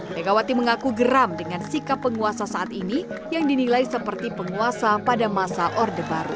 megawati mengaku geram dengan sikap penguasa saat ini yang dinilai seperti penguasa pada masa orde baru